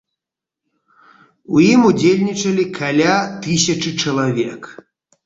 У ім удзельнічалі каля тысячы чалавек.